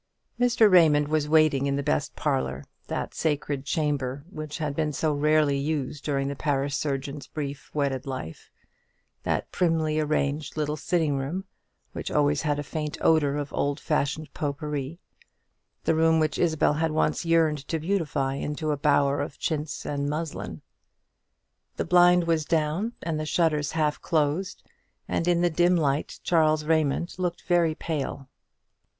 Mr. Raymond was waiting in the best parlour, that sacred chamber, which had been so rarely used during the parish surgeon's brief wedded life, that primly arranged little sitting room, which always had a faint odour of old fashioned pot pourri; the room which Isabel had once yearned to beautify into a bower of chintz and muslin. The blind was down, and the shutters half closed; and in the dim light Charles Raymond looked very pale.